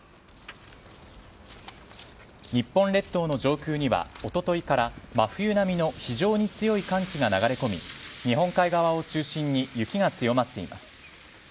日本列島の上空にはおとといから真冬並みの非常に強い寒気が流れ込み日本海側を中心に雪が強まっています。